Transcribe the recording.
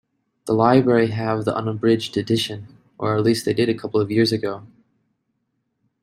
The library have the unabridged edition, or at least they did a couple of years ago.